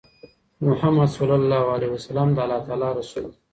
محمد ص د الله تعالی رسول دی.